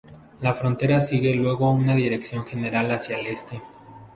La frontera sigue luego una dirección general hacia el este.